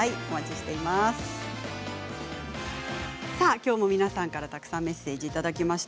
きょうも皆さんからたくさんメッセージをいただきました。